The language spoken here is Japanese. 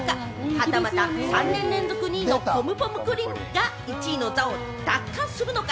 はたまた３年連続２位のポムポムプリンが１位の座を奪還するのか？